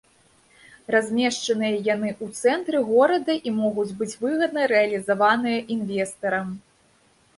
Размешчаныя яны ў цэнтры горада і могуць быць выгадна рэалізаваныя інвестарам.